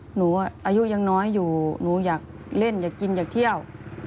หนูอายุยังน้อยอยู่หนูอยากเล่นอยากกินอยากเที่ยว